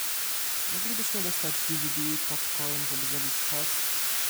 Moglibyśmy dostać di wi di, popcorn, żeby zabić czas?